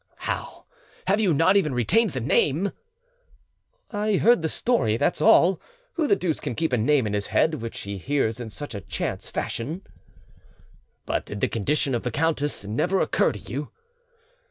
"How! have you not even retained the name?" "I heard the story, that's all. Who the deuce can keep a name in his head which he hears in such a chance fashion?" "But did the condition of the countess never occur to you?"